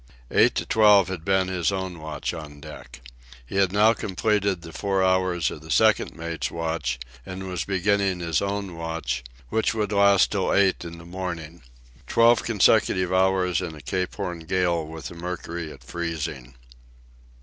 Eight to twelve had been his own watch on deck. He had now completed the four hours of the second mate's watch and was beginning his own watch, which would last till eight in the morning—twelve consecutive hours in a Cape Horn gale with the mercury at freezing.